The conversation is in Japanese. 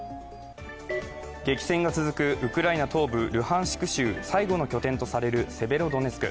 激戦が続くウクライナ東部ルハンシク州最後の拠点とされるセベロドネツク。